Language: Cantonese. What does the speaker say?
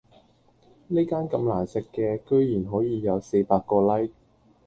呢間咁難食嘅居然可以有四百個 like